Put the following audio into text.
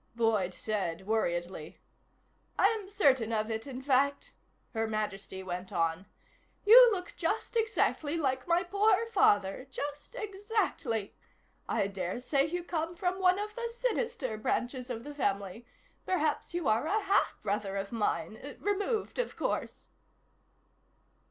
Boyd said worriedly. "I'm certain of it, in fact," Her Majesty went on. "You look just exactly like my poor father. Just exactly. I dare say you come from one of the sinister branches of the family. Perhaps you are a half brother of mine removed, of course."